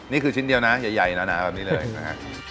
นี่คือชิ้นเดียวนะใหญ่หนาแบบนี้เลยนะฮะ